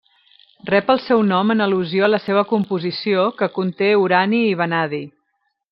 Rep el seu nom en al·lusió a la seva composició, que conté urani i vanadi.